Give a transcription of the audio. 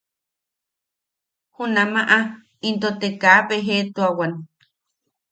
Junamaʼa into te kaa bejeʼetuawan.